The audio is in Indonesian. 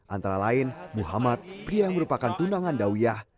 antara lain muhammad pria yang merupakan tunangan dawiyah